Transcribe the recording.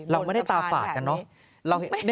เราไม่ได้ตาฝาดกันเนอะ